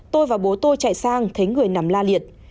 tôi và bố tôi chạy sang thấy người nằm la liệt